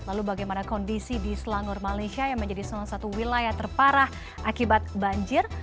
lalu bagaimana kondisi di selangor malaysia yang menjadi salah satu wilayah terparah akibat banjir